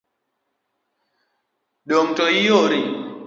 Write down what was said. Dong' to iore.